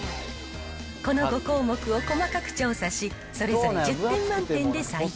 この５項目を細かく調査し、それぞれ１０点満点で採点。